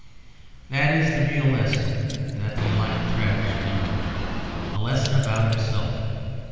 That is the real lesson that the enlightened traveller should learn; the lesson about himself.